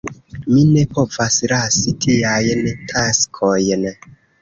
Mi ne povas lasi tiajn taskojn.